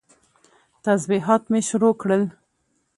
تسبيحات مې شروع کړل.